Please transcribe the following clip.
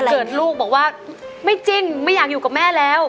เกิดลูกบอกว่าไม่จริงไม่อยากอยู่กับแม่แล้ว